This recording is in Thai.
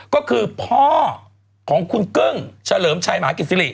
ก็คือพ่อของคุณกึ้งเฉลิมชัยหมากิจสิริ